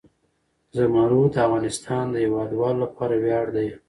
زمرد د افغانستان د هیوادوالو لپاره ویاړ دی.